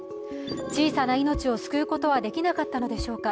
小さな命を救うことはできなかったのでしょうか。